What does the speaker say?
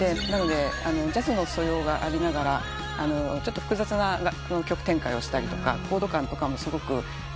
なのでジャズの素養がありながらちょっと複雑な曲展開をしたりとかコード感とかもすごく。